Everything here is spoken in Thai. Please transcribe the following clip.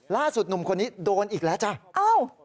ล่าสุดหนุ่มคนนี้โดนอีกแล้วจ้ะอ้าว